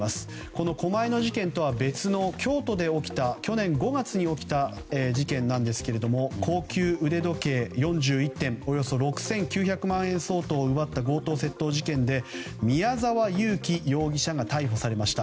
この狛江の事件とは別の京都の去年５月に起きた事件ですが高級腕時計４１点およそ６９００万円相当を奪った強盗・窃盗事件で宮沢優樹容疑者が逮捕されました。